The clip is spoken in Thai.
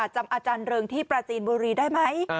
จำอาจารย์เริงที่ปราจีนบุรีได้ไหม